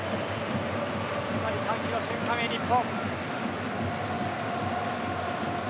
歓喜の瞬間へ、日本。